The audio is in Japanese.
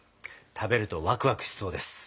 食べるとワクワクしそうです。